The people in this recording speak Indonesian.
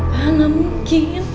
ya gak mungkin